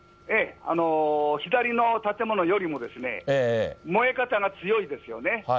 左の建物よりも燃え方が強いですよね。